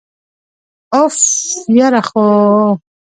أف، یره خو!!